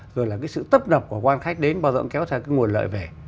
rồi là cái sự tấp độc của quan khách đến bao giờ cũng kéo ra cái nguồn lợi về